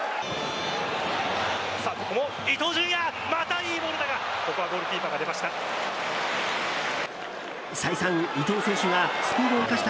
さあ、ここも伊東純也！またいいボールだがここはゴールキーパーが出ました。